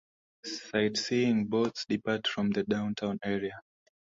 Sightseeing boats depart from the downtown area.